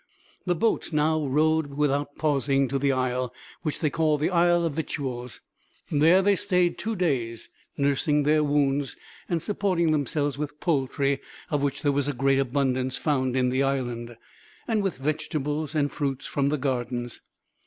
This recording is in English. The boats now rowed without pausing to the isle, which they called the Isle of Victuals; and there they stayed two days, nursing their wounds, and supporting themselves with poultry, of which there was a great abundance found in the island, and with vegetables and fruits from the gardens.